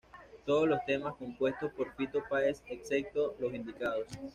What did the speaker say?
Todos los temas compuestos por Fito Páez, excepto los indicados.